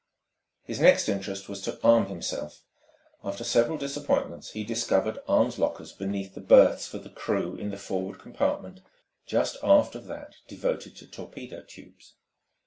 His next interest was to arm himself. After several disappointments he discovered arms lockers beneath the berths for the crew in the forward compartment just aft of that devoted to torpedo tubes.